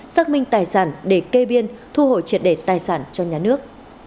xác minh tài sản để kê biên thu hồi triệt đề tài sản cho nhà nước